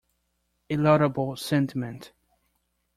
A laudable sentiment.